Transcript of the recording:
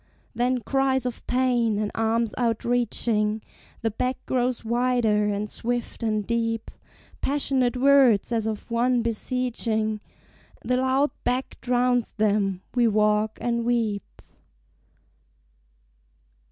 Then cries of pain, and arms outreaching The beck grows wider and swift and deep; Passionate words as of one beseeching The loud beck drowns them: we walk and weep.